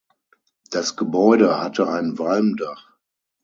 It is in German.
Das Gebäude hatte ein Walmdach.